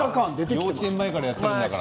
幼稚園前からやっているから。